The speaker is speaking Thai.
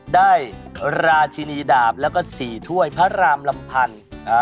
ได้ราชินีดาบและสี่ถ้วยพระรามลำพันธ์